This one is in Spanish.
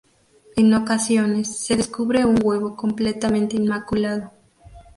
En ocasiones, se descubre un huevo completamente inmaculado.